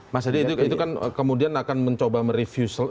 mas jadi itu kan kemudian akan mencoba mereview sebesar itu